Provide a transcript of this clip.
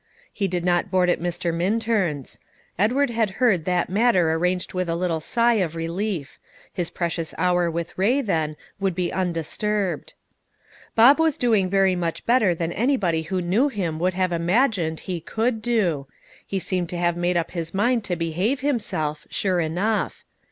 He did not board at Mr. Minturn's. Edward had heard that matter arranged with a little sigh of relief; his precious hour with Ray, then, would be undisturbed. Bob was doing very much better than anybody who knew him would have imagined he could do; he seemed to have made up his mind to behave himself, sure enough.